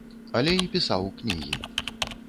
Але і пісаў кнігі.